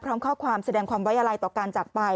พร้อมข้อความแสดงความไว้อะไรต่อการจากไป